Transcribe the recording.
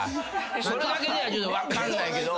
それだけでは分かんないけど。